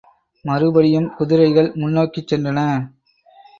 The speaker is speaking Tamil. மறுபடியும் குதிரைகள் முன்னோக்கிச் சென்றன.